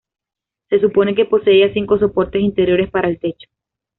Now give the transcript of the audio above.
Se supone que poseía cinco soportes interiores para el techo.